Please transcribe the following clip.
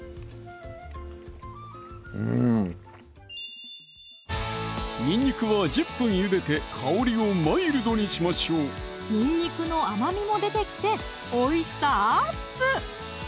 うんにんにくは１０分ゆでて香りをマイルドにしましょうにんにくの甘みも出てきておいしさアップ！